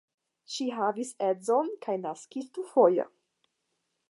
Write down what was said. Ŝi havis edzon kaj naskis dufoje.